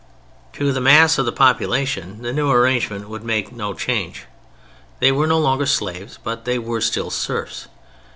To the mass of the population the new arrangement would make no change; they were no longer slaves, but they were still serfs.